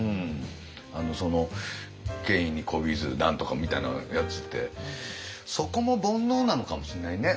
その権威にこびず何とかみたいなやつってそこも煩悩なのかもしれないね。